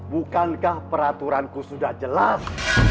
bukankah peraturanku sudah jelas